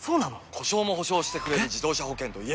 故障も補償してくれる自動車保険といえば？